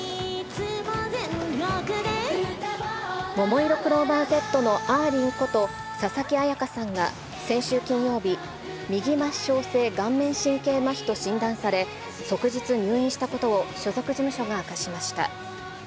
ももいろクローバーＺのあーりんこと、佐々木彩夏さんが、先週金曜日、右末梢性顔面神経麻痺と診断され、即日入院したことを所属事務所が明かしました。